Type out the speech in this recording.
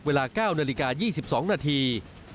เวลา๙นาฬิกา๒๒นาที